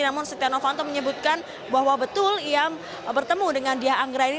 namun setia novanto menyebutkan bahwa betul ia bertemu dengan diah anggraini